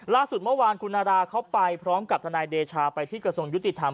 ล่าสุดเมื่อวานคุณนาราเขาไปพร้อมกับทนายเดชาไปที่กระทรวงยุติธรรม